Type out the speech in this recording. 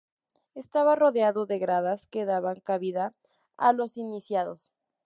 Estaba rodeado de gradas que daban cabida a los iniciados.